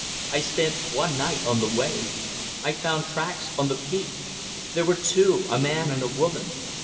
I spent one night on the way. I found tracks on the peak. There were two, a man and a woman.